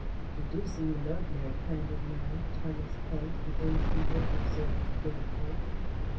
"He do seem an ordinary kind of a man," Thomas Pank, the innkeeper observed critically.